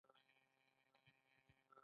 کوچیان د غوښې او لبنیاتو سرچینه ده